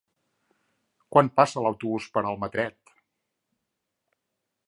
Quan passa l'autobús per Almatret?